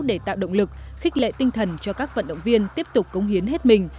để tạo động lực khích lệ tinh thần cho các vận động viên tiếp tục cống hiến hết mình